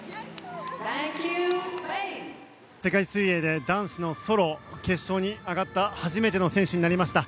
世界水泳で男子のソロ、決勝に上がった初めての選手になりました。